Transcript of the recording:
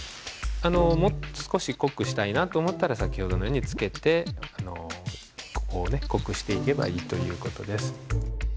もう少し濃くしたいなと思ったら先ほどのようにつけて濃くしていけばいいという事です。